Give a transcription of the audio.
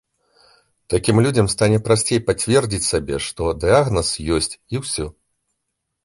Такім людзям стане прасцей пацвердзіць сабе, што дыягназ ёсць, і ўсё!